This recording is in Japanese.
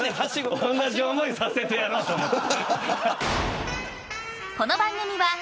同じ思いさせてやろうと思って。